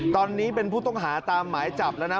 ตอนนี้เป็นผู้ต้องหาตามหมายจับแล้วนะ